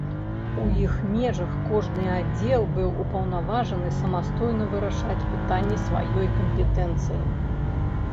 У іх межах кожны аддзел быў упаўнаважаны самастойна вырашаць пытанні сваёй кампетэнцыі.